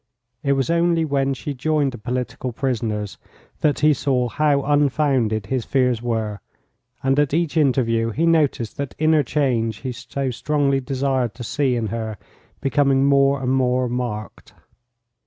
It was only when she joined the political prisoners that he saw how unfounded his fears were, and at each interview he noticed that inner change he so strongly desired to see in her becoming more and more marked.